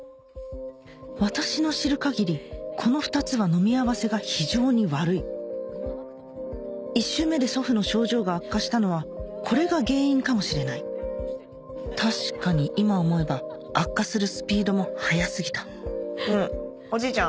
私の知る限りこの２つは飲み合わせが非常に悪い１周目で祖父の症状が悪化したのはこれが原因かもしれない確かに今思えば悪化するスピードも早過ぎたおじいちゃん。